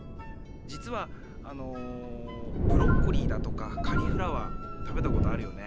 じつはブロッコリーだとかカリフラワー食べたことあるよね？